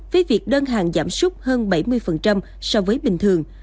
với việc đơn hàng giảm súc hơn bảy mươi so với bình thường